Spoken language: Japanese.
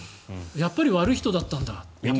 やっぱり悪い人だったんだと。